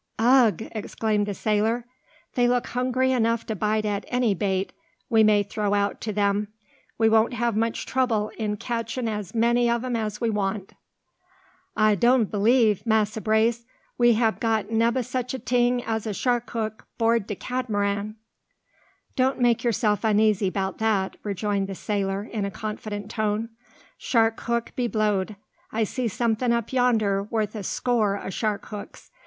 "Ugh!" exclaimed the sailor; "they look hungry enough to bite at any bait we may throw out to them. We won't have much trouble in catchin' as many o' 'em as we want." "A doan b'lieve, Massa Brace, we hab got nebba such a ting as a shark hook 'board de Cat'maran." "Don't make yourself uneasy 'bout that," rejoined the sailor, in a confident tone. "Shark hook be blowed! I see somethin' up yonder worth a score o' shark hooks.